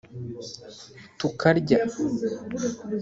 tukarya